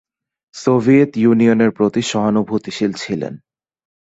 Soviet ইউনিয়নের প্রতি সহানুভূতিশীল ছিলেন।